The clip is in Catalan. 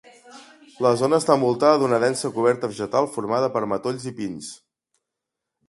La zona està envoltada d'una densa coberta vegetal formada per matolls i pins.